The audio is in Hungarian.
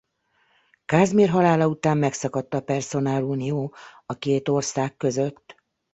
Kázmér halála után megszakadt a perszonálunió a két ország között.